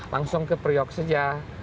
langsung ke periok saja